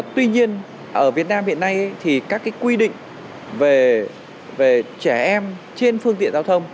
tuy nhiên ở việt nam hiện nay thì các quy định về trẻ em trên phương tiện giao thông